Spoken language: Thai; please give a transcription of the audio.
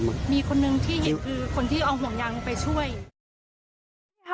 หนึ่งคือคนที่เอาห่วงยางไปช่วย